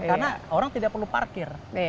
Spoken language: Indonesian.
karena orang tidak perlu parkir